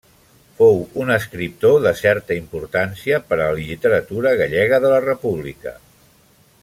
Fou un escriptor de certa importància per a la literatura gallega de la república.